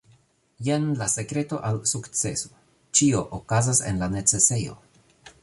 Jen la sekreto al sukceso ĉio okazas en la necesejo